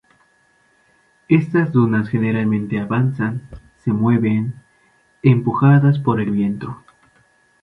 Estas dunas generalmente avanzan, se mueven, empujadas por el viento.